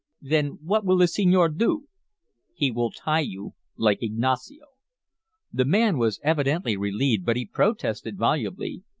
"Then what will the senor do?" "He will tie you like Ignacio." The man was evidently relieved, but he protested volubly.